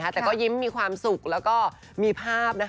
แต่ก็ยิ้มมีความสุขแล้วก็มีภาพ